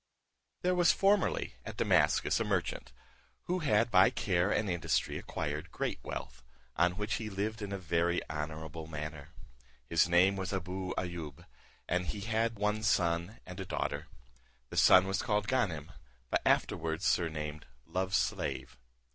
There was formerly at Damascus a merchant, who had by care and industry acquired great wealth, on which he lived in a very honourable manner. His name was Abou Ayoub, and he had one son and a daughter. The son was called Ganem, but afterwards surnamed Love's slave.